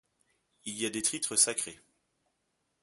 Il y a des titres sacrés.